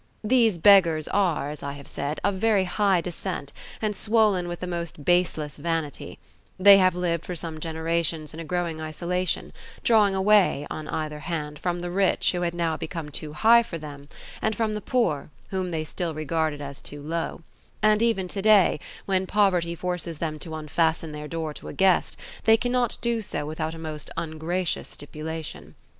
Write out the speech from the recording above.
These beggars are, as I have said, of very high descent and swollen with the most baseless vanity; they have lived for some generations in a growing isolation, drawing away, on either hand, from the rich who had now become too high for them, and from the poor, whom they still regarded as too low; and even to day, when poverty forces them to unfasten their door to a guest, they cannot do so without a most ungracious stipulation.